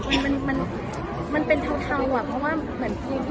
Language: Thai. ครั้งมันอ่ามันเป็นเท่าอ่ะเพราะว่าเหมือนครูที่